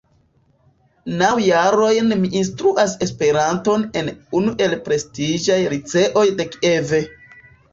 Naŭ jarojn mi instruas Esperanton en unu el prestiĝaj liceoj de Kiev.